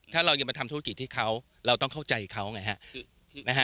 ถ้าเรายังมาทำธุรกิจที่เขาเราต้องเข้าใจเขาไงฮะ